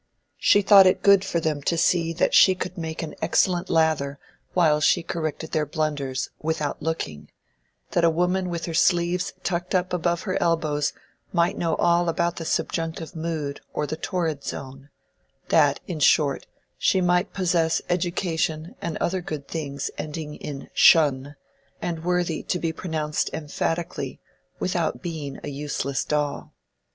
She thought it good for them to see that she could make an excellent lather while she corrected their blunders "without looking,"—that a woman with her sleeves tucked up above her elbows might know all about the Subjunctive Mood or the Torrid Zone—that, in short, she might possess "education" and other good things ending in "tion," and worthy to be pronounced emphatically, without being a useless doll.